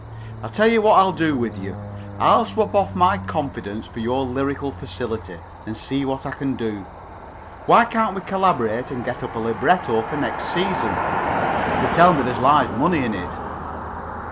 I tell you what I'll do with you: I'll swap off my confidence for your lyrical facility, and see what I can do. Why can't we collaborate and get up a libretto for next season? They tell me there's large money in it."